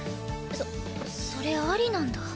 そそれありなんだ？